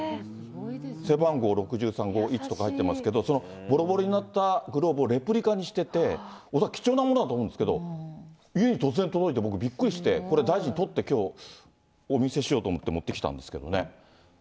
背番号６３・５・１って入ってますけど、そのぼろぼろになったグローブをレプリカにしてて、恐らく貴重なものだと思うんですけど、家に突然届いてびっくりして、これ、大事に取って、きょう、お見せしようと思って持ってきたんですけどね。